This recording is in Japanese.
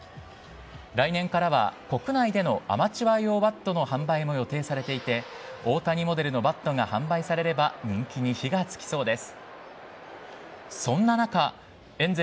来年からは、国内でのアマチュア用バットの販売も予定されていて、大谷モデルのバットが販売されれば、人気に火がつきそうです。